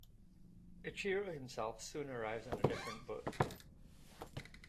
Ichiro himself soon arrives on a different boat.